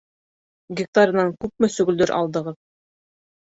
Гектарынан күпме сөгөлдөр алдығыҙ?